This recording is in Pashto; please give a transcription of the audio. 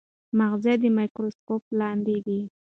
مغز د مایکروسکوپ لاندې دی.